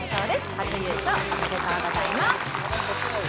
初優勝おめでとうございます。